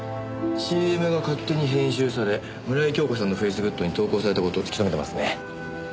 ＣＭが勝手に編集され村井今日子さんのフェイスグッドに投稿された事をつきとめてますね。